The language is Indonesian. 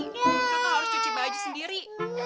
kenapa harus cuci baju sendiri